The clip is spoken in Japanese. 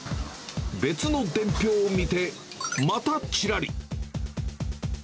別の伝票を見て、またちらり。